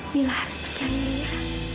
bila harus percaya